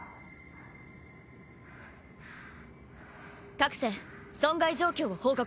各船損害状況を報告。